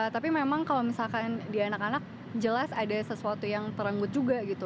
tapi memang kalau misalkan di anak anak jelas ada sesuatu yang terenggut juga gitu